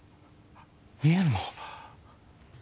見えるの？